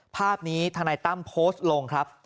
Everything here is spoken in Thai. ภาพนี้ธนายตั้มโพสต์ลงครับ